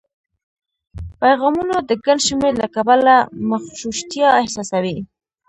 پیغامونو د ګڼ شمېر له کبله مغشوشتیا احساسوي